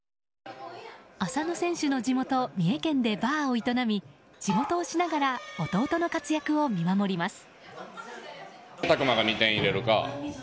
浅野選手の地元三重県でバーを営み仕事をしながら弟の活躍を見守ります。